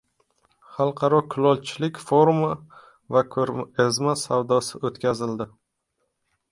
“Xalqaro kulolchilik forumi va ko‘rgazma-savdosi" o‘tkaziladi